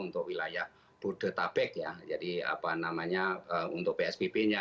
untuk wilayah bodetabek ya jadi apa namanya untuk psbb nya